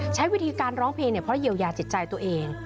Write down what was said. ใช้วิธีการร้องเพลงเพราะเยียวยาจิตใจตัวเอง